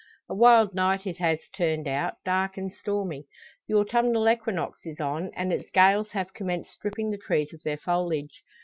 A wild night it has turned out, dark and stormy. The autumnal equinox is on, and its gales have commenced stripping the trees of their foliage.